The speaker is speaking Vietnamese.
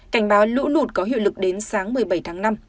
cảnh báo lũ lụt có hiệu lực đến sáng một mươi bảy tháng năm